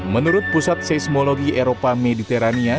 menurut pusat seismologi eropa mediterania